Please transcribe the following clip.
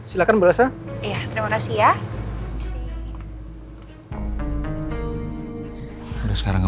iya boleh saya jemput ke rumah kakak saya